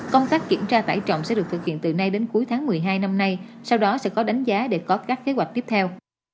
công tác kiểm tra tải trọng sẽ được thực hiện từ nay đến cuối tháng một mươi hai năm nay sau đó sẽ có đánh giá để có các kế hoạch tiếp theo